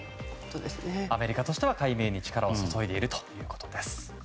アメリカとしては解明に力を注いでいるということです。